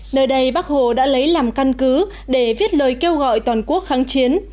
nơi đây bác hồ đã lấy làm căn cứ để viết lời kêu gọi toàn quốc kháng chiến